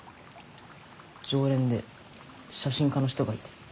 常連で写真家の人がいて。